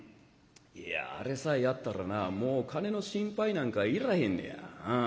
いやあれさえあったらなもう金の心配なんかいらへんねや。